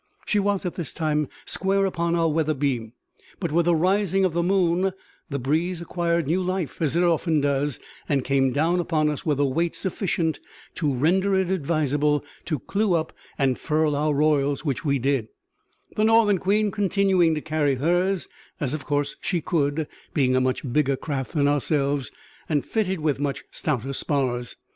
She was at this time square upon our weather beam; but with the rising of the moon the breeze acquired new life, as it often does, and came down upon us with a weight sufficient to render it advisable to clew up and furl our royals which we did; the Northern Queen continuing to carry hers, as of course she could, being a much bigger craft than ourselves, and fitted with much stouter spars.